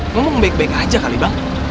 ngomong baik baik aja kali bang